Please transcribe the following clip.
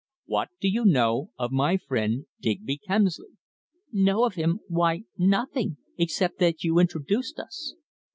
What do you know of my friend Digby Kemsley?" "Know of him why, nothing except that you introduced us."